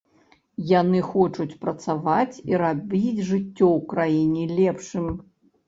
Яны хочуць працаваць і рабіць жыццё ў краіне лепшым.